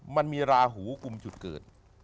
มันมีราหูกลุ่มจุดเกิด